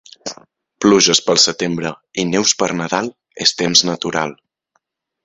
Pluges pel setembre i neus per Nadal és temps natural.